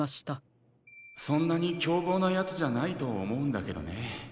そんなにきょうぼうなヤツじゃないとおもうんだけどね。